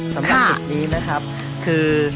ค่ะสำคัญผิดหนี้นะครับคือ